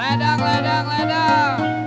ledang ledang ledang